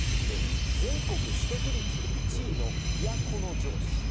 全国取得率１位の都城市。